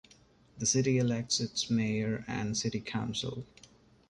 The city elects its mayor and city council.